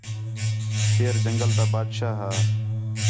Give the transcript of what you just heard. شیر جنگل تا بادشاہ ہا